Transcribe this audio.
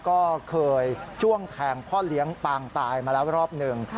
ก็เคยจ้วงแทงพ่อเลี้ยงปางตายมาแล้วรอบหนึ่ง